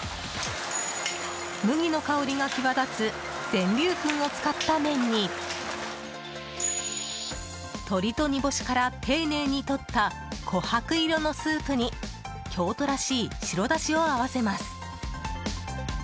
麦の香りが際立つ全粒粉を使った麺に鶏と煮干しから丁寧にとった琥珀色のスープに京都らしい白だしを合わせます。